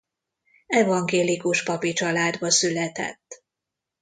Evangélikus papi családba született.